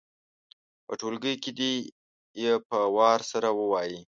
په ټولګي کې دې یې په وار سره ووايي.